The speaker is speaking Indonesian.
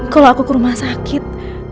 kalau aku ke rumah sakit